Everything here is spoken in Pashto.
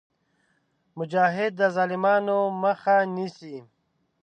مجاهد د ظالمانو مخه نیسي.